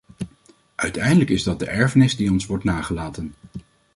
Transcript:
Uiteindelijk is dat de erfenis die ons wordt nagelaten.